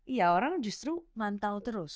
iya orang justru mantau terus